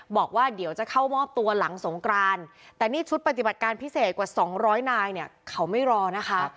บอกว่าเดี๋ยวจะเข้ามอบตัวหลังสงกรานแต่นี่ชุดปฏิบัติการพิเศษกว่า๒๐๐นายเนี่ยเขาไม่รอนะคะ